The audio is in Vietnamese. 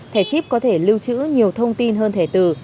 thẻ chip có thể lưu trữ nhiều thông tin hơn thẻ từ